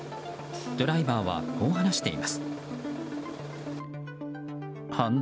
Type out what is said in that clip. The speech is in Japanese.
ドライバーはこう話しています。